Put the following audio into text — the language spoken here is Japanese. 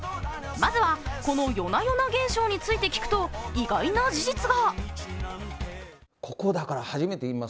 まずは、このＹＯＮＡＹＯＮＡ現象について聞くと意外な事実が。